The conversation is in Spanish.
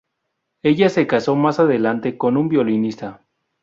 Ella se casó más adelante con un violinista.